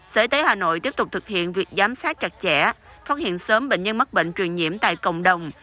sở y tế hà nội tiếp tục thực hiện việc giám sát chặt chẽ phát hiện sớm bệnh nhân mắc bệnh truyền nhiễm tại cộng đồng